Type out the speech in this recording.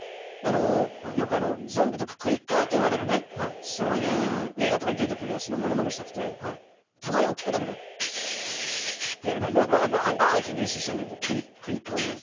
よくゾンビとかクリッカーといわれるねそういう映画とかに出てくるやつのモノマネしたくてたまに大きくなる「カ」ってやればいいのかなと思って最近練習してるんだけどクリッカーのマネ。